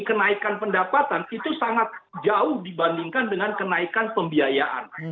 kenaikan pendapatan itu sangat jauh dibandingkan dengan kenaikan pembiayaan